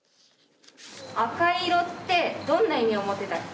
赤色ってどんな意味を持っていたっけ。